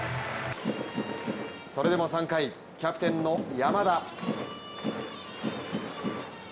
それでも３回キャプテンの山田。